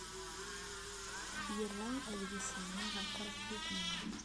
Yerra adlis-nni ɣer tṛeffit-nni.